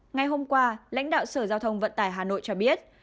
ngày hôm qua lãnh đạo sở giao thông vận tải hà nội cho biết